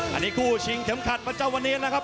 อันนี้กู้ชิงเท็มขัดมาจากวันนี้นะครับ